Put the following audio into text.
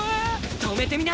止めてみな！